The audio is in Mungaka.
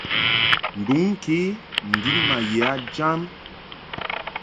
Nduŋ ke n-din ma ye a jam.